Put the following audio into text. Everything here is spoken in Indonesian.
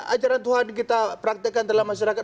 ajaran tuhan kita praktekkan dalam masyarakat